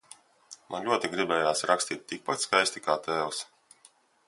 Man ļoti gribējās rakstīt tikpat skaisti, kā tēvs.